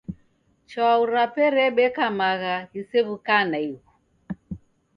Chwau rape rebeka magha ghisew'uka naighu.